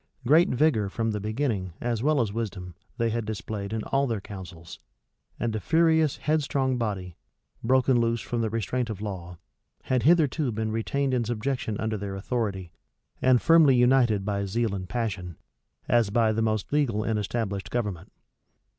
Great vigor, from the beginning, as well as wisdom, they had displayed in all their counsels; and a furious, headstrong body, broken loose from the restraint of law, had hitherto been retained in subjection under their authority, and firmly united by zeal and passion, as by the most legal and established government.